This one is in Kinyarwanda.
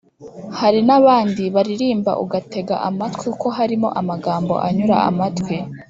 hari n’abandi baririmba ugatega amatwi kuko harimo amagambo anyura amatwi.”